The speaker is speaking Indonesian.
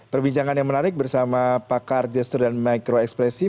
perbincangan yang menarik bersama pakar gesture dan micro ekspresi